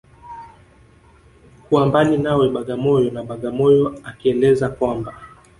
Kuwa mbali nawe Bagamoyo na Bagamoyo akieleza kwamba